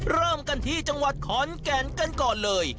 เริ่มกันที่จังหวัดขอนแก่นกันก่อนเลย